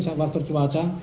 saat waktu cuaca